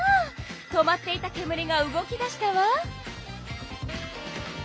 止まっていたけむりが動き出したわ！